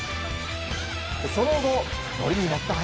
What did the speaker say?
その後、乗りに乗った林。